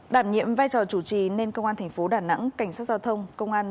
đảm nhiệm vai trò chủ trì nên công an thành phố đà nẵng cảnh sát giao thông công an